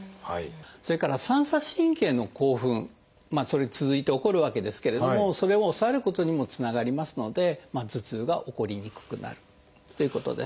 それから三叉神経の興奮それに続いて起こるわけですけれどもそれを抑えることにもつながりますので頭痛が起こりにくくなるということです。